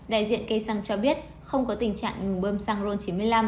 đại diện cây xăng cho biết không có tình trạng ngừng bơm xăng rôn chín mươi năm